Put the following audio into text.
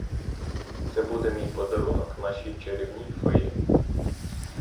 Це буде мій подарунок нашій чарівній феї.